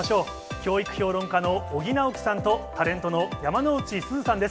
教育評論家の尾木直樹さんと、タレントの山之内すずさんです。